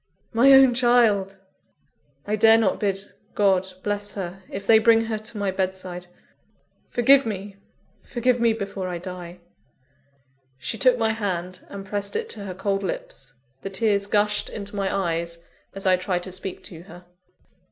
My own child! I dare not bid God bless her, if they bring her to my bedside! forgive me! forgive me before I die!" She took my hand, and pressed it to her cold lips. The tears gushed into my eyes, as I tried to speak to her.